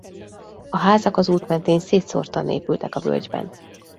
A házak az út mentén szétszórtan épültek a völgyben.